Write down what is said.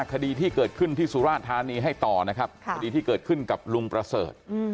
คดีที่เกิดขึ้นที่สุราธานีให้ต่อนะครับคดีที่เกิดขึ้นกับลุงประเสริฐ